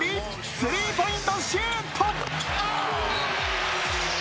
スリーポイントシュート！